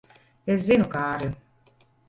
Es zinu, Kārli.